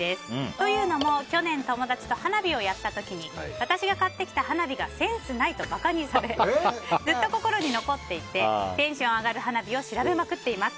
というのも、去年友達と花火をやった時に私が買ってきた花火がセンスないと馬鹿にされずっと心に残っていてテンション上がる花火を調べまくっています。